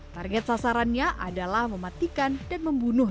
target sasarannya adalah mematikan dan membunuh